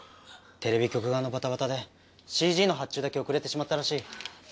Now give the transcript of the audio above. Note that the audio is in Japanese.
テレビ局側のバタバタでＣＧの発注だけ遅れてしまったらしい。